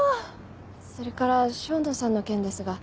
それから笙野さんの件ですが。